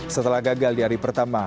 setelah gagal di hari pertama